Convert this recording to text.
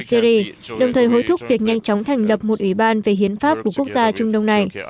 syri đồng thời hối thúc việc nhanh chóng thành lập một ủy ban về hiến pháp của quốc gia trung đông này